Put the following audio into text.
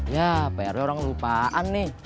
ya fireway orang lupaan nih